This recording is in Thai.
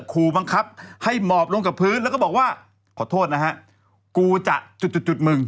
ขู่บังคับให้หมอบลงกับพื้นแล้วก็บอกว่าขอโทษนะฮะกูจะจุดจุดจุดมึง